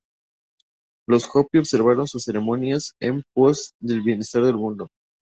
Los Hopi observan sus ceremonias en pos del bienestar del mundo.